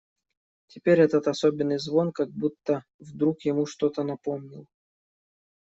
Теперь этот особенный звон как будто вдруг ему что-то напомнил.